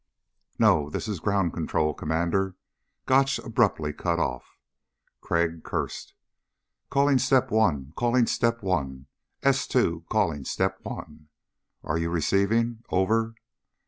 "No, this is ground control, Commander." Gotch abruptly cut off. Crag cursed. "Calling Step One.... Calling Step One. S two calling Step One. Are you receiving? Over."